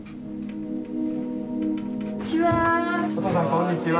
こんにちは。